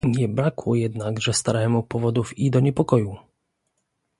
"Nie brakło jednakże staremu powodów i do niepokoju."